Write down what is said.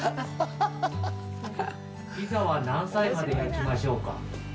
ピザは何歳まで焼きましょうか？